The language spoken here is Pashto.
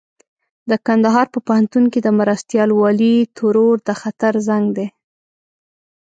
د کندهار په پوهنتون کې د مرستيال والي ترور د خطر زنګ دی.